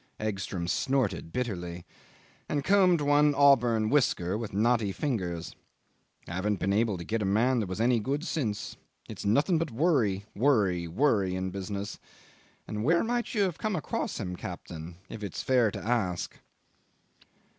'Egstrom snorted bitterly, and combed one auburn whisker with knotty fingers. "Haven't been able to get a man that was any good since. It's nothing but worry, worry, worry in business. And where might you have come across him, captain, if it's fair to ask?"